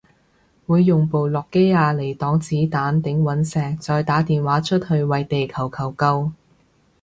會用部諾基亞嚟擋子彈頂隕石再打電話出去為地球求救